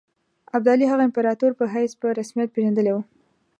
ابدالي هغه د امپراطور په حیث په رسمیت پېژندلی وو.